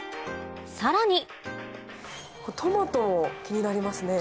さらにトマトも気になりますね。